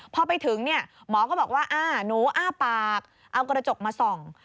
พอไปถึงเนี่ยหมอก็บอกว่าหนูอ้าปากเอากระจกมาส่อง